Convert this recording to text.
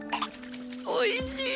おいしい。